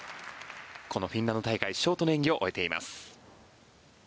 このフィンランド大会ショートの演技を終えています。